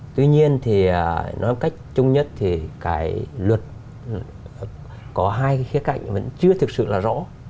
tuy nhiên thì nói một cách chung nhất thì cái luật có hai cái khía cạnh vẫn chưa thực sự là rõ